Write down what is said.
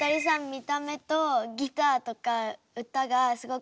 見た目とギターとか歌がすごくうまくて。